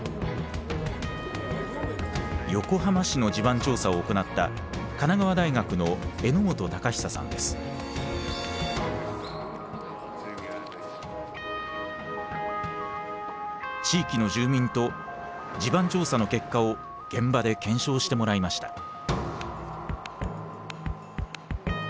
横浜市の地盤調査を行った地域の住民と地盤調査の結果を現場で検証してもらいました。